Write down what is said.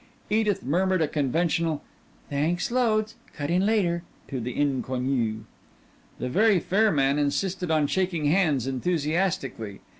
Edith murmured a conventional "Thanks, loads cut in later," to the inconnu. The very fair man insisted on shaking hands enthusiastically.